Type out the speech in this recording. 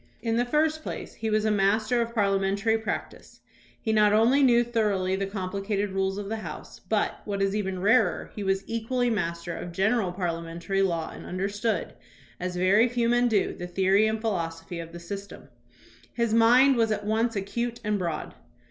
In the first place, he was a master of parliamentary practice. He not only knew thoroughly the compli cated rules of the House, but, what is even rarer, he was equally master of general parliamentary law and understood, as very few men do, the theory and philosophy of the system. His mind was at once acute and broad.